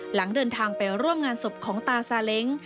หลังเดินทางไปร่วมงานศพของตาซาเล้ง